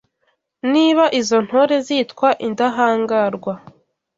Niba izo ntore zitwa indahangarwa